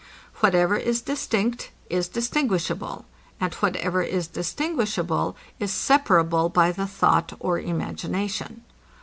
Whatever is distinct, is distinguishable; and whatever is distinguishable, is separable by the thought or imagination.